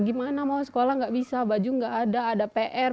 gimana mau sekolah nggak bisa baju nggak ada ada pr